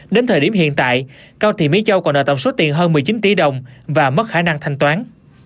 đến thời điểm hiện tại cao thị mỹ châu còn nợ tổng số tiền hơn một mươi chín tỷ đồng và mất khả năng thanh toán